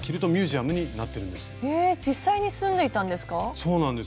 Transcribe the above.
へえ実際に住んでいたんですか？